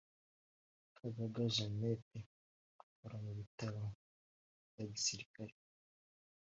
Kagaga Jeannette akora mu bitaro bya Gisirikare